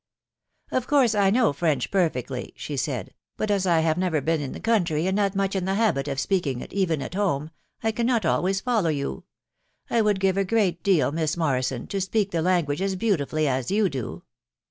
" Of course I know French perfectly," she said ;" but as I have never been in the country, and not much in the habit of speaking it, even at home, I cannot always follow you. ••• I would give a great deal, Miss Morrison, to speak the lan guage as beautifully as you do